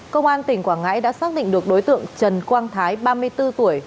công an tỉnh quảng ngãi đã xác định được đối tượng trần quang thái ba mươi bốn tuổi